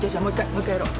もう一回やろう。